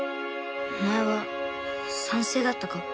お前は賛成だったか？